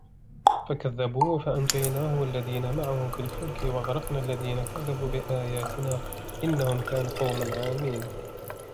فَكَذَّبُوهُ فَأَنْجَيْنَاهُ وَالَّذِينَ مَعَهُ فِي الْفُلْكِ وَأَغْرَقْنَا الَّذِينَ كَذَّبُوا بِآيَاتِنَا إِنَّهُمْ كَانُوا قَوْمًا عَمِينَ